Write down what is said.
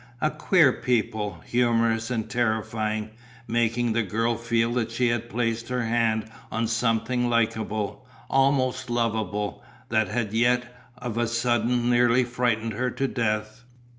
A queer people, humorous and terrifying, making the girl feel that she had placed her hand on something likeable, almost lovable, that had yet, of a sudden, nearly frightened her to death.